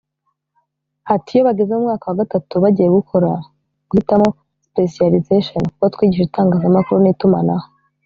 Ati “Iyo bageze mu mwaka wa gatatu bagiye gukora guhitamo [specialization] kuko twigisha itangazamakuru n’itumanaho